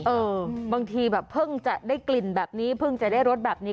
เออบางทีแบบเพิ่งจะได้กลิ่นแบบนี้